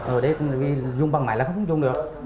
ở đấy dùng bằng máy là không dùng được